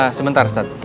eeeh sebentar ustaz